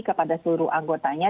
kepada seluruh anggotanya